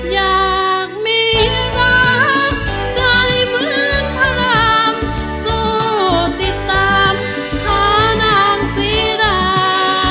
อยากมีรักใจเหมือนพระรามสู้ติดตามหานางศรีดา